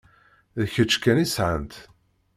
D kečč kan i sɛant.